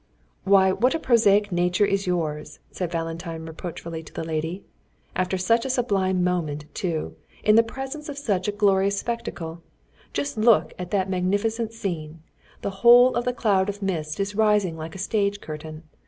"Why, what a prosaic nature is yours!" said Valentine reproachfully to the lady. "At such a sublime moment, too, in the presence of such a glorious spectacle! Just look at that magnificent scene! The whole of the cloud of mist is rising like a stage curtain.